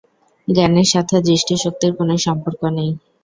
জ্ঞানের সাথে দৃষ্টিশক্তির কোনো সম্পর্ক নেই।